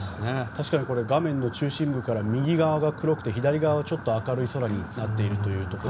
確かに画面の中心部から右側が黒くて左側はちょっと明るい空になっているというところで。